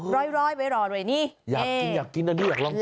ร้อยร้อยไว้รอรอยนี่อยากกินอยากกินอันนี้อยากลองกิน